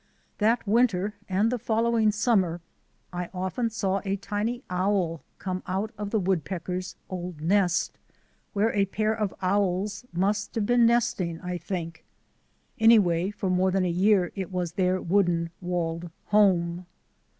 That winter and the following summer I often saw a tiny owl come out of the woodpeckers' old nest, where a pair of owls must have been nesting, I think. Anyway, for more than a year it was their wooden walled home.